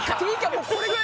もうこれぐらいです今